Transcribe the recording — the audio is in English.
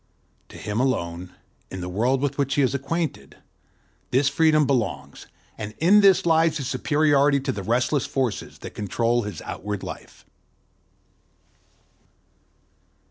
To him alone, in the world with which he is acquainted, this freedom belongs; and in this lies his superiority to the resistless forces that control his outward life.